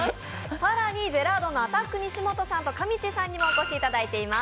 さらにジェラードンのアタック西本さんとかみちぃさんにもお越しいただいております。